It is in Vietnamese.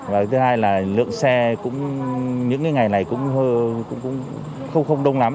và thứ hai là lượng xe cũng những ngày này cũng không đông lắm